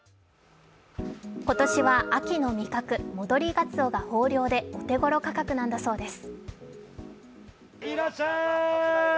今年は秋の味覚、戻りがつおが豊漁でお手ごろ価格なんだそうです。